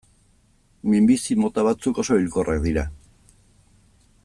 Minbizi mota batzuk oso hilkorrak dira.